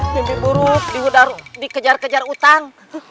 mimpi buruk dikejar kejar utang